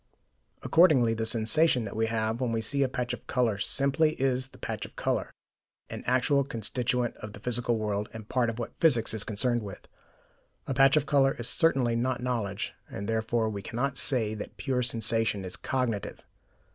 Accordingly the sensation that we have when we see a patch of colour simply is that patch of colour, an actual constituent of the physical world, and part of what physics is concerned with. A patch of colour is certainly not knowledge, and therefore we cannot say that pure sensation is cognitive.